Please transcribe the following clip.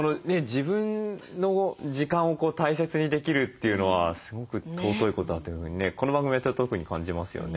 自分の時間を大切にできるというのはすごく尊いことだというふうにねこの番組やってると特に感じますよね。